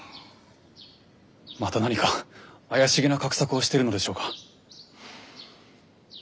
また何か怪しげな画策をしてるのでしょうか。